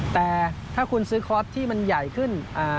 แต่ถ้าคุณซื้อคอร์สที่มันใหญ่ขึ้น